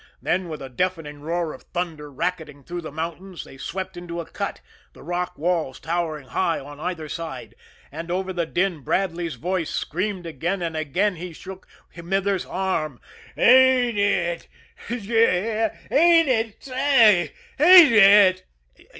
Then, with a deafening roar of thunder racketing through the mountains, they swept into a cut, the rock walls towering high on either side and over the din Bradley's voice screamed again and again he shook Smithers' arm. "Ain't it? D'ye hear ain't it? Say ain't it?"